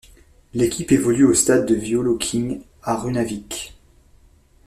L'équipe évolue au stade de við Løkin à Runavík.